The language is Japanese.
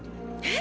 え？